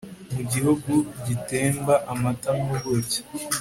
mu gihugu gitemba amata n'ubuki